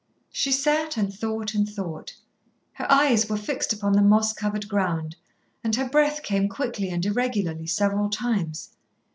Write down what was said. She sat, and thought, and thought. Her eyes were fixed upon the moss covered ground, and her breath came quickly and irregularly several times.